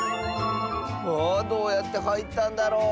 あどうやってはいったんだろう。